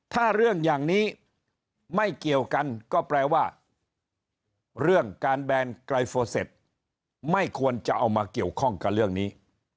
ถ้าเรื่องอย่างนี้ไม่เกี่ยวกันก็แปลว่าเรื่องการแบนไกรโฟเซ็ตไม่ควรจะเอามาเกี่ยวข้องกับเรื่องนี้